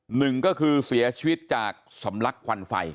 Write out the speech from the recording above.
หนึ่งก็คือเสียชีวิตจากสำลักควันไฟ